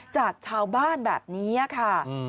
จากชาวบ้านแบบนี้ค่ะ